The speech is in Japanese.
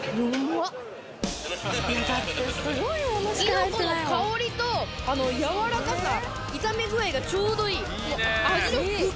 きのこの香りと軟らかさ炒め具合がちょうどいい。